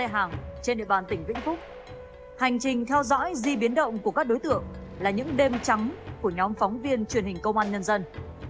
hành trình theo dõi di biến động của các đối tượng là những đêm trắng của nhóm phóng viên truyền hình công an